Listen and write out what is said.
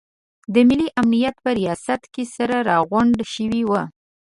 د ملي امنیت په ریاست کې سره راغونډ شوي وو.